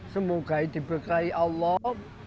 semoga diberkai allah